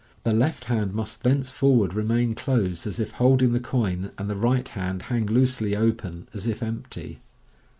The left hand must thenceforward remain closed, as if holding the coin, and the right hand hang loosely open, as if empty.